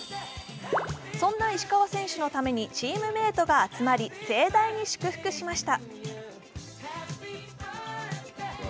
そんな石川選手のためにチームメートが集まり盛大に祝福しました。